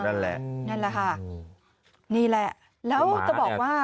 นั่นแหละนั่นแหละค่ะนี่แหละแล้วจะบอกว่า